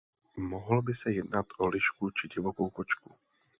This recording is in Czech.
Mohlo by se jednat o lišku či divokou kočku.